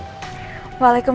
waalaikumsalam pak suri